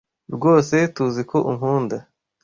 Rwose TUZI ko unkunda.